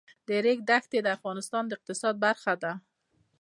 د ریګ دښتې د افغانستان د اقتصاد برخه ده.